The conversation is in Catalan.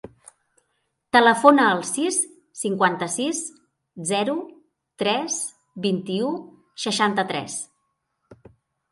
Telefona al sis, cinquanta-sis, zero, tres, vint-i-u, seixanta-tres.